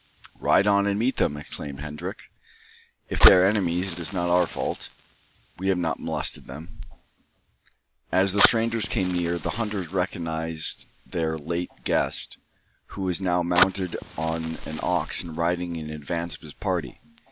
"Ride on and meet them," exclaimed Hendrik. "If they are enemies it is not our fault. We have not molested them." As the strangers came near, the hunters recognised their late guest, who was now mounted on an ox and riding in advance of his party.